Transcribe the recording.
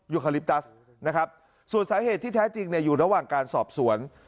คาลิปตัสนะครับส่วนสาเหตุที่แท้จริงเนี่ยอยู่ระหว่างการสอบสวน